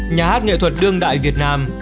nhà hát nghệ thuật đương đại việt nam